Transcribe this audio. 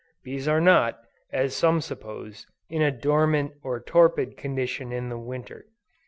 Bees are not, as some suppose, in a dormant, or torpid condition in Winter.